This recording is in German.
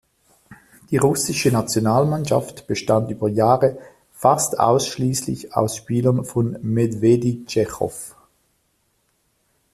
Die russische Nationalmannschaft bestand über Jahre fast ausschließlich aus Spielern von Medwedi Tschechow.